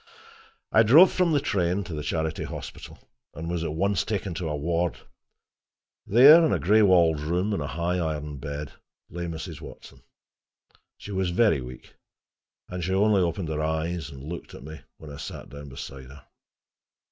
I drove from the train to the Charity Hospital, and was at once taken to a ward. There, in a gray walled room in a high iron bed, lay Mrs. Watson. She was very weak, and she only opened her eyes and looked at me when I sat down beside her.